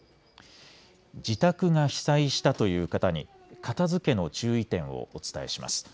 自宅が被災したという方に片づけの注意点をお伝えします。